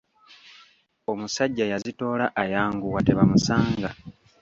Omusajja yazitoola ayanguwa tebamusanga.